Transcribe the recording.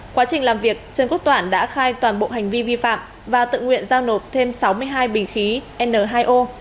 quá trình làm việc trần quốc toản đã khai toàn bộ hành vi vi phạm và tự nguyện giao nộp thêm sáu mươi hai bình khí n hai o